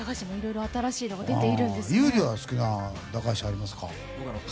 優里は好きな駄菓子ありますか？